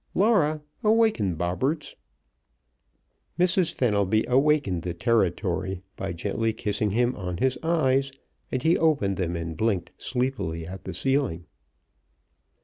Laura, awaken Bobberts!" Mrs. Fenelby awakened the Territory by gently kissing him on his eyes, and he opened them and blinked sleepily at the ceiling.